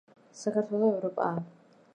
საქართველო ევროპაა